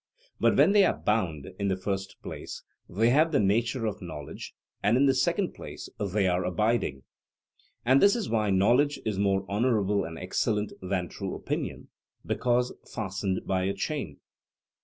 But when they are bound, in the first place, they have the nature of knowledge; and, in the second place, they are abiding. And this is why knowledge is more honourable and excellent than true opinion, because fastened by a chain.